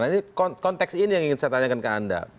nah ini konteks ini yang ingin saya tanyakan ke anda